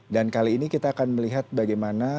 dan kali ini kita akan melihat bagaimana